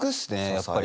やっぱり。